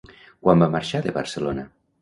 Quan va marxar de Barcelona?